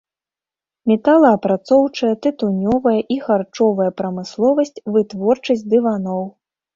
Металаапрацоўчая, тытунёвая і харчовая прамысловасць, вытворчасць дываноў.